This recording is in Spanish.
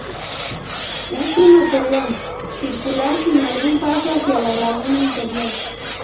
Es un atolón circular sin algún paso hacia la laguna interior.